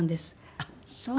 あっそう。